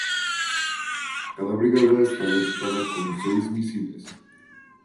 Cada brigada estaba equipada con seis misiles.